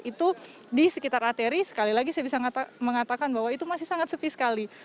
itu di sekitar arteri sekali lagi saya bisa mengatakan bahwa itu masih sangat sepi sekali